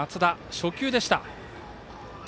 初球でした。